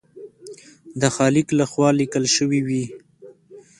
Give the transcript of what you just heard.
د خالق لخوا لیکل شوي وي.